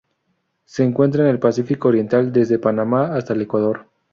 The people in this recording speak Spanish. Se encuentra en el Pacífico oriental: desde Panamá hasta el Ecuador.